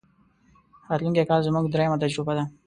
راتلونکی کال زموږ درېمه تجربه ده.